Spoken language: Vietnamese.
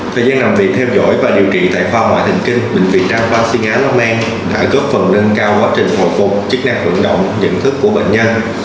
thời gian làm việc theo dõi và điều trị tại khoa ngoại hình kinh bệnh viện đa khoa xuyên á rockman đã góp phần nâng cao quá trình hồi phục chức năng vận động nhận thức của bệnh nhân